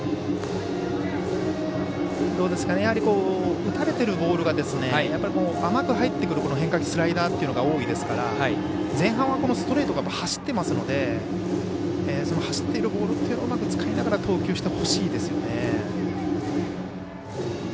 打たれてるボールが甘く入ってくる変化球、スライダーというのが多いですから前半はストレートが走っていますので走っているボールというのをうまく使いながら投球してほしいですよね。